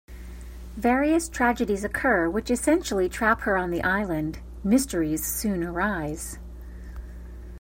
Various tragedies occur which essentially trap her on the island - mysteries soon arise.